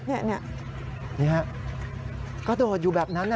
นี่ฮะกระโดดอยู่แบบนั้นนะ